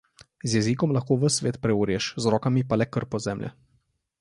Z jezikom lahko ves svet preorješ, z rokami pa le krpo zemlje.